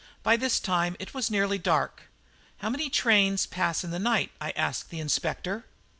By this time it was nearly dark. "How many trains pass in the night?" I asked of the Inspector.